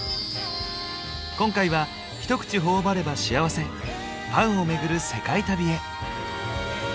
今回は一口頬張れば幸せパンを巡る世界旅へ。